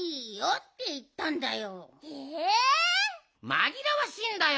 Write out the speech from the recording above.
まぎらわしいんだよ